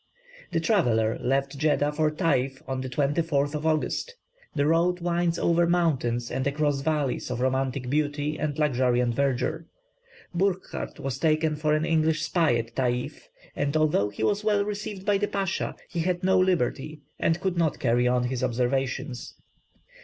The traveller left Jeddah for Tayf on the 24th of August. The road winds over mountains and across valleys of romantic beauty and luxuriant verdure. Burckhardt was taken for an English spy at Tayf, and, although he was well received by the Pasha, he had no liberty, and could not carry on his observations.